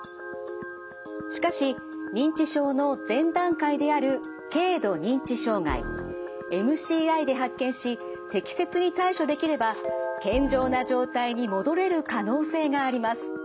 しかし認知症の前段階である軽度認知障害ＭＣＩで発見し適切に対処できれば健常な状態に戻れる可能性があります。